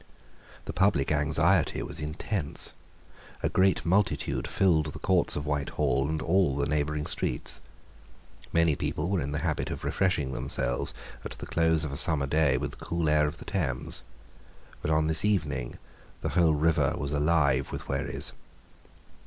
The public anxiety was intense. A great multitude filled the courts of Whitehall and all the neighbouring streets. Many people were in the habit of refreshing themselves at the close of a summer day with the cool air of the Thames. But on this evening the whole river was alive with wherries.